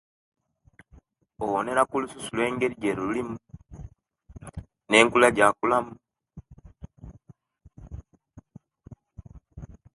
Owonera ku lususu lwe engeri ejelulimu ne enkula jakulamu